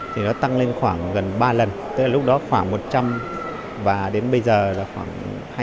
thì nó tăng lên khoảng gần ba lần tức là lúc đó khoảng một trăm linh và đến bây giờ là khoảng hai trăm bảy mươi hai trăm tám mươi